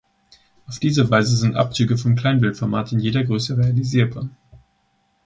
Auf diese Weise sind Abzüge vom Kleinbildformat in jeder Größe realisierbar.